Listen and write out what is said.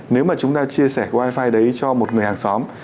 nếu mà chúng ta chia sẻ wifi đấy cho một người hàng xóm